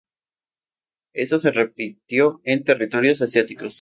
Esto se repitió en territorios asiáticos.